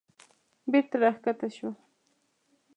بېرته راکښته شوه.